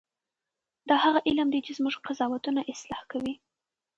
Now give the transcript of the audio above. دا هغه علم دی چې زموږ قضاوتونه اصلاح کوي.